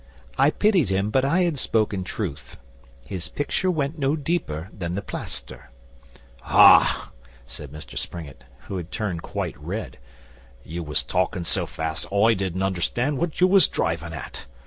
I pitied him, but I had spoken truth. His picture went no deeper than the plaster.' 'Ah!' said Mr Springett, who had turned quite red. 'You was talkin' so fast I didn't understand what you was drivin' at.